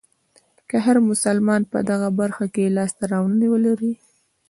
که هر مسلمان په دغه برخه کې لاسته راوړنې ولرلې.